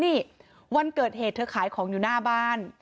นี่วันเกิดเหตุเธอขายของอยู่หน้าบ้าน